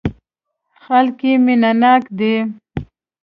خلک یې مینه ناک دي.